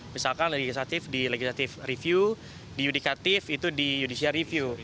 misalkan legislatif di legislative review di yudikatif itu di judicial review